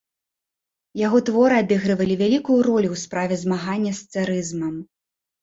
Яго творы адыгрывалі вялікую ролю ў справе змагання з царызмам.